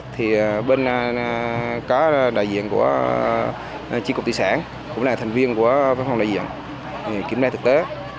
thì bên có đại diện của chiếc cục tỷ sản cũng là thành viên của phòng đại diện kiểm tra thực tế